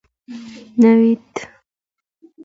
نوید